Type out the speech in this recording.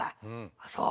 「あっそう。